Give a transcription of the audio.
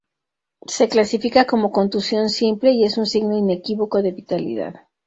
Se clasifica como contusión simple y es un signo inequívoco de vitalidad.